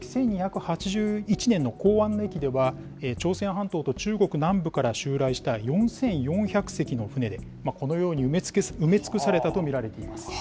西暦１２８１年の弘安の役では、朝鮮半島と中国南部から襲来した４４００隻の船で、このように埋め尽くされたと見られています。